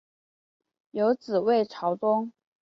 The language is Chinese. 有子魏朝琮。